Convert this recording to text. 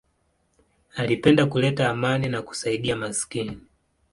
Alipenda kuleta amani na kusaidia maskini.